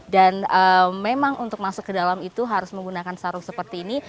dan memang untuk masuk ke dalam itu harus menggunakan sarung seperti ini